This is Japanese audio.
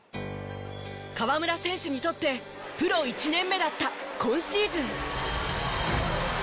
河村選手にとってプロ１年目だった今シーズン。